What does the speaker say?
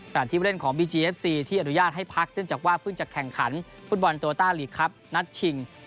ที่ผู้เล่นของบีจีเอฟซีที่อนุญาตให้พักเนื่องจากว่าเพิ่งจะแข่งขันฟุตบอลโตต้าลีกครับนัดชิง